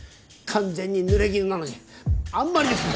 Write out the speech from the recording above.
完全にぬれぎぬなのにあんまりです！